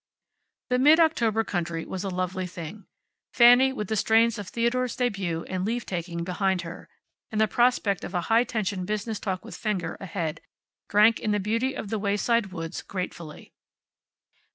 The mid October country was a lovely thing. Fanny, with the strain of Theodore's debut and leave taking behind her, and the prospect of a high tension business talk with Fenger ahead, drank in the beauty of the wayside woods gratefully.